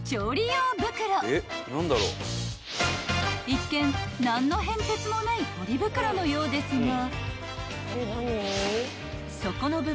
［一見何の変哲もないポリ袋のようですが］